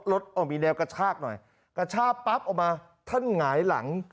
มีแนวกระชากหน่อยกระชากปั๊บออกมาท่านหงายหลัง